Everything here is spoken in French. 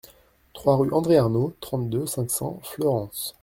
trois rue André Arnau, trente-deux, cinq cents, Fleurance